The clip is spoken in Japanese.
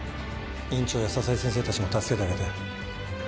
院長や佐々井先生たちも助けてあげて。